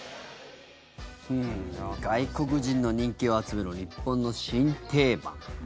外国人の人気を集める日本の新定番。